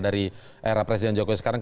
dari era presiden jokowi sekarang